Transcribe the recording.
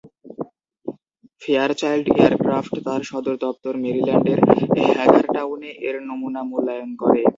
Fairchild aircraft তার সদর দপ্তর মেরিল্যান্ডের হ্যাগারটাউনে এর নমুনা মূল্যায়ন করে।